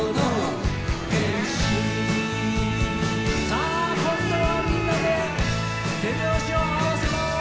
さあ今度はみんなで手拍子を合わせます。